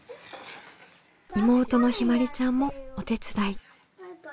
妹のひまりちゃんもお手伝い。